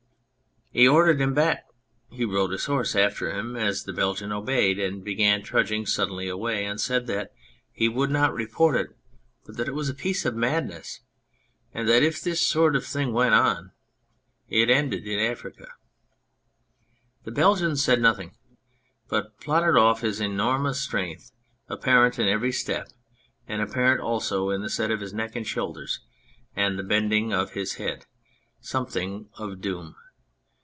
He ordered him back ; he rode his horse after him as the Belgian obeyed, and began trudging suddenly away, and said that he would not report it, but that 172 Astarte it was a piece of madness, and that if that sort of thing went on it ended in Africa. The Belgian said nothing, but plodded off, his enormous strength apparent in every step ; and apparent also in the set of his neck and shoulders, and the bending of his head, something of doom.